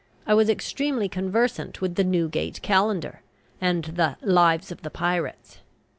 I was extremely conversant with the "Newgate Calendar" and the "Lives of the Pirates."